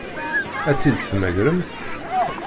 Ad tt-id-temmagremt?